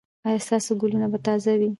ایا ستاسو ګلونه به تازه وي؟